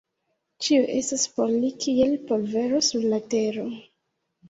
Ĉio estas por li kiel polvero sur la tero.